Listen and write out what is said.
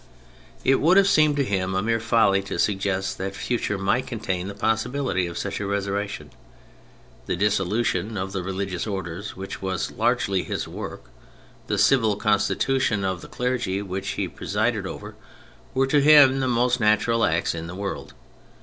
It would have seemed to him a mere folly to suggest that the future might contain the possibility of such a resurrection. The dissolution of the religi ous orders, which was largely his work, the civil constitution of the clergy which he pre sided over, were to him the most natural acts in the world.